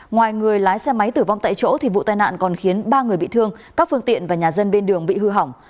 ngoài người lái xe máy tử vong tại chỗ vụ tai nạn còn khiến ba người bị thương các phương tiện và nhà dân bên đường bị hư hỏng